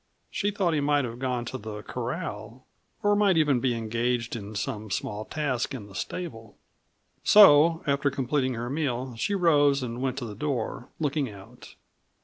She thought he might have gone to the corral, or might even be engaged in some small task in the stable. So after completing her meal she rose and went to the door, looking out.